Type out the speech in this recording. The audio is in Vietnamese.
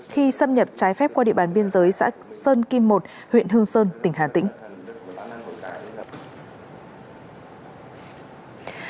khi xâm nhập trái phép qua địa bàn biên giới xã sơn kim một huyện hương sơn tỉnh hà tĩnh